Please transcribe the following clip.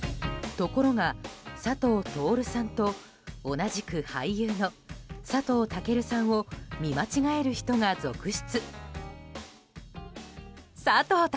ところが、佐藤達さんと同じく俳優の佐藤健さんを見間違える人が続出。